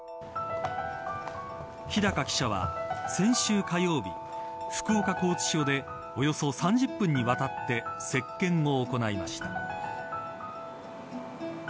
日高記者は先週、火曜日福岡拘置所でおよそ３０分にわたって接見を行いました。